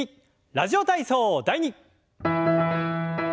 「ラジオ体操第２」。